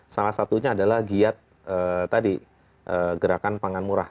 salah satunya adalah giat tadi gerakan pangan murah